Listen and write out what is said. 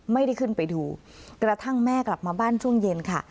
ไม่ได้ขึ้นไปดูกระทั่งแม่กลับมาบ้านช่วงเย็นค่ะ